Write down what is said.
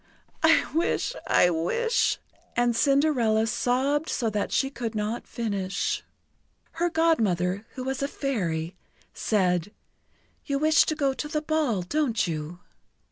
"I wish I wish " and Cinderella sobbed so that she could not finish. Her Godmother, who was a Fairy, said: "You wish to go to the ball, don't you?"